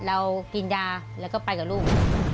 เรากินยาแล้วก็ไปกับลูก